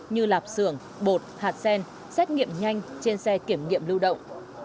như lạp sưởng bột hạt sen xét nghiệm nhanh trên xe kiểm nghiệm lưu động